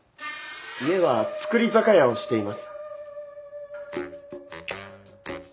家は造り酒屋をしています。